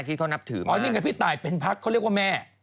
อ๋นี่แล้วกันที่พี่ตายเป็นพรรคเค้าเรียกว่าแม่